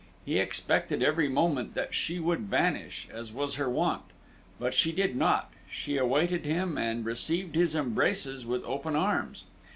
He expected every moment that she would vanish, as was her wont; but she did not she awaited him, and received his embraces with open arms.